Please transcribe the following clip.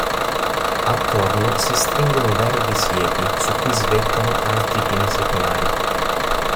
Attorno si stringono verdi siepi su cui svettano alti pini secolari.